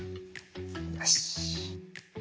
よし。